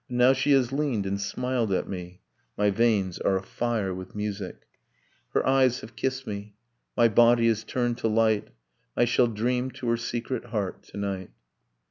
But now she has leaned and smiled at me, My veins are afire with music, Her eyes have kissed me, my body is turned to light; I shall dream to her secret heart tonight